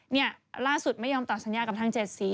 เนี่ยล่าสุดไม่ยอมตัดสัญญากับทางเจ็ดสี